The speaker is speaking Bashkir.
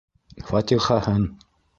Фатихаһын.